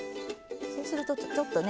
そうするとちょっとね